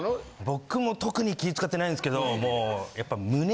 僕も特に気使ってないんですけどもうやっぱ。